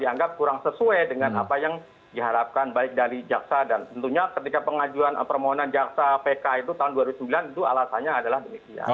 dianggap kurang sesuai dengan apa yang diharapkan baik dari jaksa dan tentunya ketika pengajuan permohonan jaksa pk itu tahun dua ribu sembilan itu alasannya adalah demikian